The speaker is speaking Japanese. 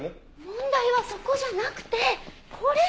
問題はそこじゃなくてこれ！